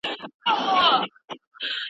د یووالي تخم یې